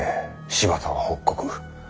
柴田は北国。